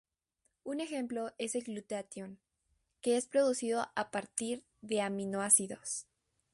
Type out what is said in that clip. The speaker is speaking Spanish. Un ejemplo es el glutatión, que es producido a partir de aminoácidos.